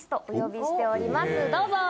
どうぞ！